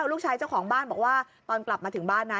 ลูกชายเจ้าของบ้านบอกว่าตอนกลับมาถึงบ้านนะ